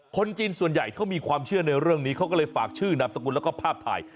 คนจีนส่วนใหญ่เขามีความเชื่อในเรื่องนี้เขาก็เลยฝากชื่อนามสกุลแล้วก็ภาพถ่าย